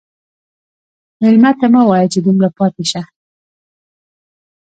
مېلمه ته مه وایه چې دومره پاتې شه.